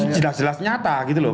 sudah jelas nyata gitu loh